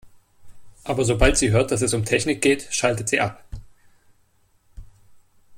Aber sobald sie hört, dass es um Technik geht, schaltet sie ab.